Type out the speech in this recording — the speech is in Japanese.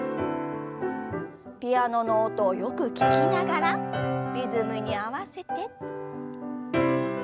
ピアノの音をよく聞きながらリズムに合わせて。